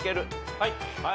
はい。